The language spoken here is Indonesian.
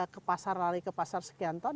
ke pasar lari ke pasar sekian ton